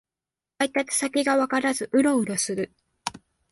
配達先がわからずウロウロする